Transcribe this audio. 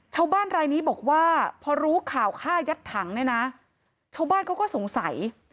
ชาวบ้านรายนี้บอกว่าพอรู้ข่าวฆ่ายัดถังเนี่ยนะชาวบ้านเขาก็สงสัย